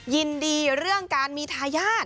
ยินดีเรื่องการมีทายาท